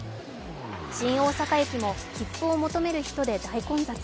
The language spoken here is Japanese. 新大阪駅も切符を求める人で大混雑。